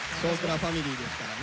ファミリーですからね。